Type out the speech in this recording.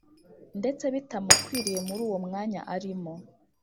ndetse bitamukwiriye muruwo mwanya arimo